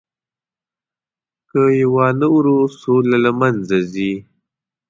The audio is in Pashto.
که یې ونه اورو، سوله له منځه ځي.